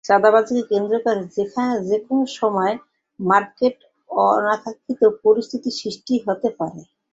চাঁদাবাজিকে কেন্দ্র করে যেকোনো সময় মার্কেটে অনাকাঙ্ক্ষিত পরিস্থিতির সৃষ্টি হতে পারে।